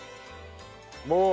もう。